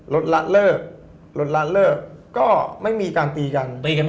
ลดร้านเริกก็ไม่มีการตีกัน